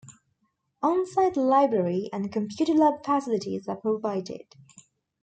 On-site library and computer lab facilities are provided.